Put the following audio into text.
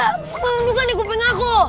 kalian juga nih kuping aku